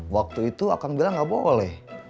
waktu itu akan bilang gak boleh